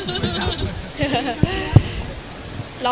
โอเค